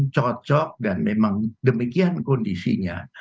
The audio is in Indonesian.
cocok dan memang demikian kondisinya